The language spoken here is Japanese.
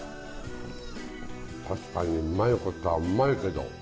確かにうまいことはうまいけど。